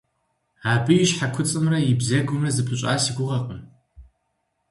Абы и щхьэкуцӏымрэ и бзэгумрэ зэпыщӏа си гугъэкъым.